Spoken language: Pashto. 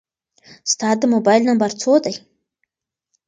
ستا د موبایل نمبر څو دی؟